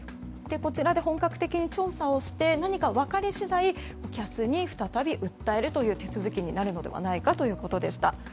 こちらで本格的に調査をして何か分かり次第ＣＡＳに再び訴える手続きになるのではないかということでした。